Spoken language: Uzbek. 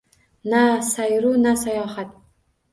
Na sayru na sayohat.